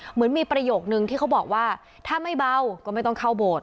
เหมือนมีประโยคนึงที่เขาบอกว่าถ้าไม่เบาก็ไม่ต้องเข้าโบสถ